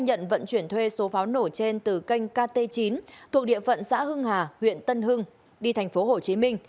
hải khai nhận vận chuyển thuê số pháo nổ trên từ kênh kt chín thuộc địa phận xã hưng hà huyện tân hưng đi tp hcm